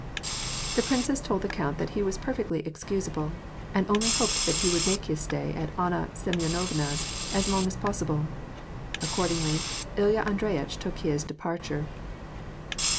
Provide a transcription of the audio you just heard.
The princess told the count that he was perfectly excusable, and only hoped that he would make his stay at Anna Semyonovna's as long as possible. Accordingly, Ilya Andreyitch took his departure.